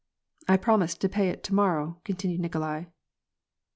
" I promised to pay it to morrow," continued Nikolai.